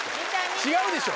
違うでしょ。